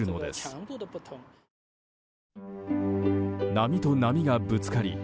波と波がぶつかり